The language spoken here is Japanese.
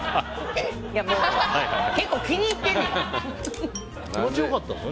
結構、気に入ってるんねや。